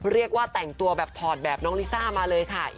เรียกว่าแต่งตัวแบบถอดแบบน้องลิซ่ามาเลยค่ะ